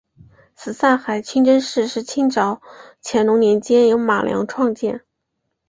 什刹海清真寺是清朝乾隆年间由马良创建。